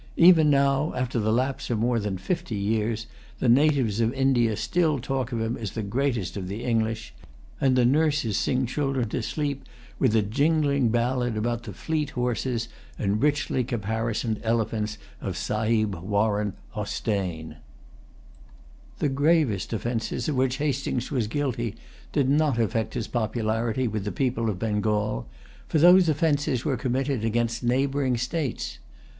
Even now, after the lapse of more than fifty years, the natives of India still talk of him as the greatest of the English; and nurses sing children to sleep with a jingling ballad about the fleet horses and richly caparisoned elephants of Sahib Warren Hostein. The gravest offences of which Hastings was guilty did not affect his popularity with the people of Bengal; for those offences were committed against neighboring states.